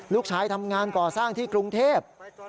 ลูกชายทำงานก่อสร้างที่กรุงเทพ